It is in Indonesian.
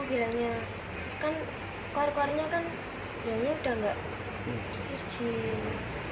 kan keluar keluarnya sudah tidak berhasil